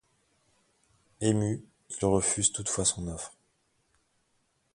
Ému, il refuse toutefois son offre.